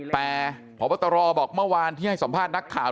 แต่พบตรบอกเมื่อวานที่ให้สัมภาษณ์นักข่าว